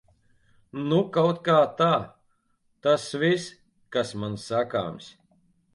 Nu kautkā tā. Tas viss, kas man sakāms.